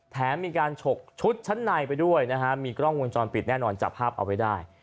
แถมมีการฉกชุดชั้นในไปด้วยนะฮะมีกล้องวงจรปิดแน่นอนจับภาพเอาไว้ได้